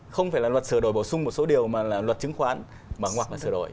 không phải là luật sửa đổi bổ sung một số điều mà là luật chứng khoán mà ngoặt sửa đổi